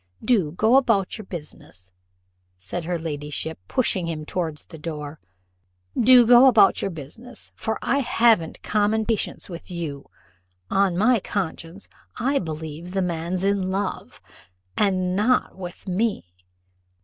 Do go about your business," said her ladyship, pushing him towards the door "Do go about your business, for I haven't common patience with you: on my conscience I believe the man's in love and not with me!